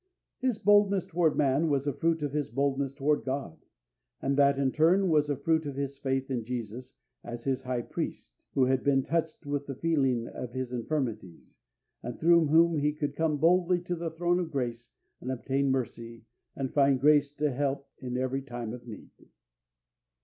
His boldness toward man was a fruit of his boldness toward God, and that, in turn, was a fruit of his faith in Jesus as his High Priest, who had been touched with the feeling of his infirmities, and through whom he could "come boldly to the Throne of Grace, and obtain mercy, and find grace to help in every time of need."